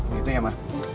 begitu ya ma